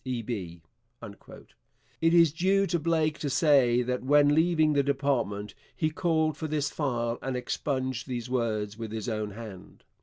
E.B.' It is due to Blake to say that, when leaving the department, he called for this file and expunged these words with his own hand.